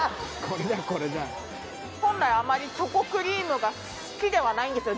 本来あまりチョコクリームが好きではないんですよ